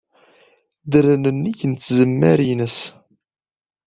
Ddren nnig tzemmar-nsen.